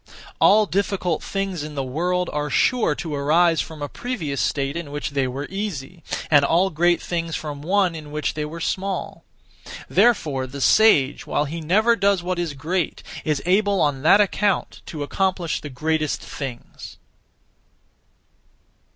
All difficult things in the world are sure to arise from a previous state in which they were easy, and all great things from one in which they were small. Therefore the sage, while he never does what is great, is able on that account to accomplish the greatest things.